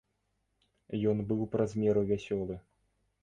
Ён быў праз меру вясёлы.